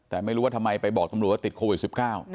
แต่ไม่รู้ว่าทำไมไปบอกตำรวจว่าติดโควิด๑๙